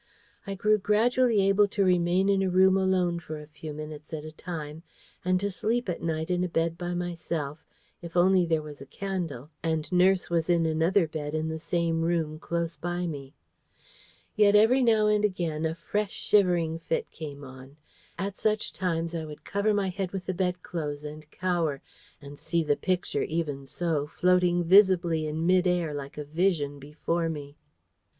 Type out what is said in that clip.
I grew gradually able to remain in a room alone for a few minutes at a time, and to sleep at night in a bed by myself, if only there was a candle, and nurse was in another bed in the same room close by me. Yet every now and again a fresh shivering fit came on. At such times I would cover my head with the bedclothes and cower, and see the Picture even so floating visibly in mid air like a vision before me.